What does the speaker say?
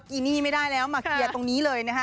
ีนี่ไม่ได้แล้วมาเคลียร์ตรงนี้เลยนะคะ